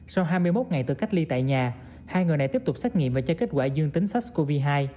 sau hai mươi một ngày tự cách ly tại nhà hai người này tiếp tục xét nghiệm và cho kết quả dương tính sars cov hai